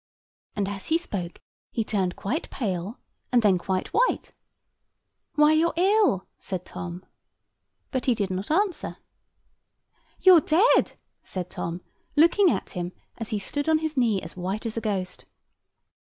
And, as he spoke, he turned quite pale, and then quite white. "Why, you're ill!" said Tom. But he did not answer. "You're dead," said Tom, looking at him as he stood on his knee as white as a ghost.